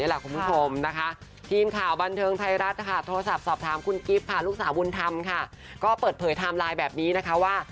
ลูกสาววุลธรรมค่ะก็เปิดเผยไทม์ไลน์แบบนี้นะคะว่า